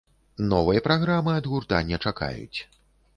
Новай праграмы ад гурта не чакаюць.